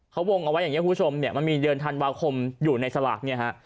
เขาวงเอาไว้อย่างนี้คุณผู้ชมเนี่ยมันมีเดือนธันวาคมอยู่ในสลากเนี่ยฮะ